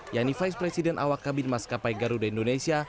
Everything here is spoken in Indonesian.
yakni vice president awakabin maskapai garuda indonesia